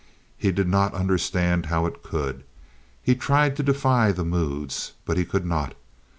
He did not understand how it could; he tried to defy the moods, but he could not.